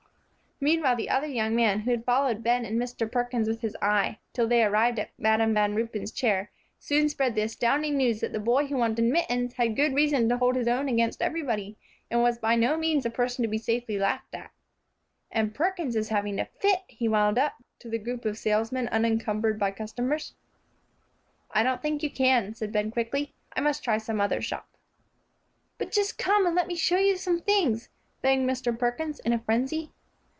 Meanwhile, the other young man, who had followed Ben and Mr. Perkins with his eye till they arrived at Madam Van Ruypen's chair, soon spread the astounding news that the boy who wanted mittens had good reason to hold his own against everybody, and was by no means a person to be safely laughed at. "And Perkins is having a fit," he wound up, to the group of salesmen unencumbered by customers. "I don't think you can," said Ben, quickly; "I must try some other shop." "But just come and let me show you some things," begged Mr. Perkins, in a frenzy.